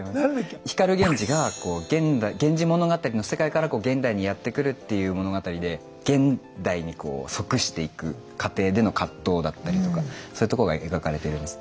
光源氏が「源氏物語」の世界から現代にやって来るっていう物語で現代に即していく過程での葛藤だったりとかそういうとこが描かれてるんです。